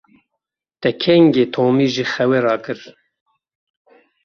Te kengî Tomî ji xewê rakir?